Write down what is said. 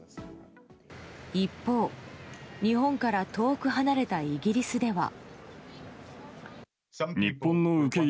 一方、日本から遠く離れたイギリスでは。